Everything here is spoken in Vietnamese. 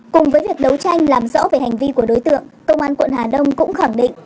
cùng với việc đấu tranh làm rõ về hành vi của đối tượng công an quận hà đông cũng khẳng định